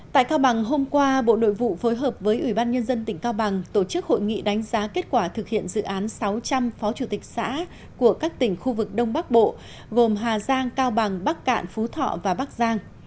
tại cao bằng hôm qua bộ nội vụ phối hợp với ủy ban nhân dân tỉnh cao bằng tổ chức hội nghị đánh giá kết quả thực hiện dự án sáu trăm linh phó chủ tịch xã của các tỉnh khu vực đông bắc bộ gồm hà giang cao bằng bắc cạn phú thọ và bắc giang